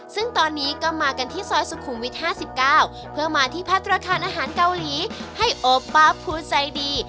ซึ่งตอนนี้ก็มากันที่ซอยสุขุมวิทย์ห้าสิบเก้าเพื่อมาที่พรรดชาติอาหารเกาหลีให้โอป้าพูดใจดี